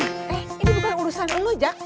eh ini bukan urusan lu jak